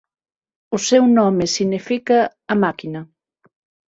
O seu nome significa "A máquina".